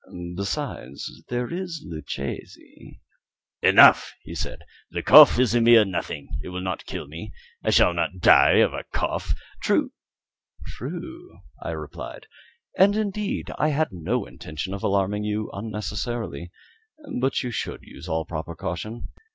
Besides, there is Luchesi " "Enough," he said; "the cough is a mere nothing; it will not kill me. I shall not die of a cough." "True true," I replied; "and, indeed, I had no intention of alarming you unnecessarily but you should use all proper caution.